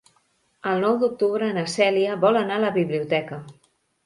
El nou d'octubre na Cèlia vol anar a la biblioteca.